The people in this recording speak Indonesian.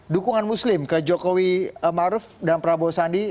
dukungan muslim ke jokowi maruf dan prabowo sandi